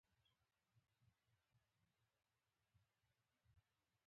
چین په فضا کې هم پانګونه کوي.